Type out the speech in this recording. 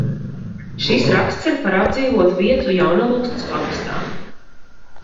Šis raksts ir par apdzīvotu vietu Jaunalūksnes pagastā.